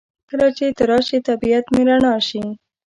کله چې ته راشې طبیعت مې رڼا شي.